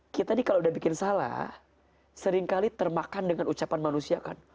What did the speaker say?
kita nih kalau udah bikin salah seringkali termakan dengan ucapan manusia kan